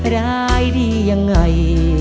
ร้ายดียังไง